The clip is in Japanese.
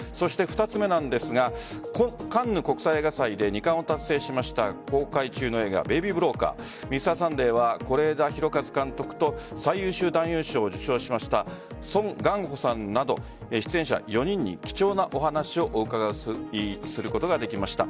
２つ目なんですがカンヌ国際映画祭で２冠を達成しました公開中の映画「ベイビー・ブローカー」「Ｍｒ．サンデー」は是枝裕和監督と最優秀男優賞を受賞しましたソン・ガンホさんなど出演者４人に貴重なお話をお伺いすることができました。